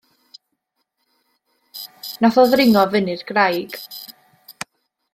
Nath o ddringo fyny'r graig.